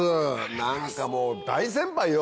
何かもう大先輩よ？